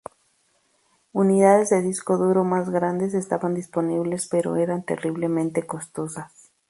Unidades de disco duro más grandes estaban disponibles pero eran terriblemente costosas.